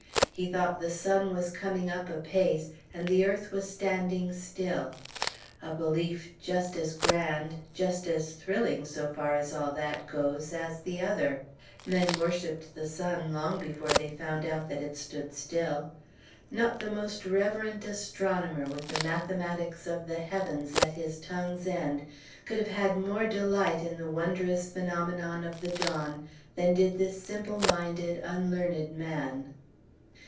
He thought the sun was coming up apace, and the earth was standing still, a belief just as grand, just as thrilling, so far as all that goes, as the other: men worshipped the sun long before they found out that it stood still. Not the most reverent astronomer, with the mathematics of the heavens at his tongue's end, could have had more delight in the wondrous phenomenon of the dawn, than did this simple minded, unlearned man.